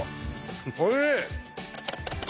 おいしい！